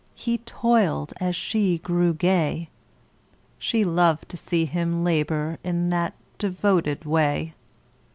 He toiled as she grew gay. She loved to see him labor In that devoted way.